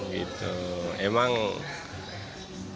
emang kurang aja ada yang kurang